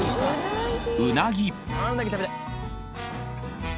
「ああうなぎ食べたい」